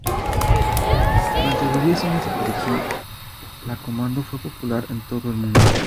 Durante sus diez años de producción, la Commando fue popular en todo el mundo.